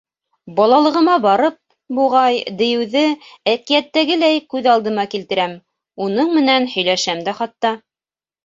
Балалығыма барып, буғай, дейеүҙе әкиәттәгеләй күҙ алдына килтерәм, уның менән һөйләшәм дә хатта.